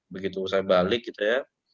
begitu saya balik gitu ya